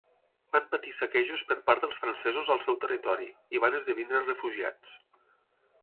Van patir saquejos per part dels francesos al seu territori, i van esdevenir refugiats.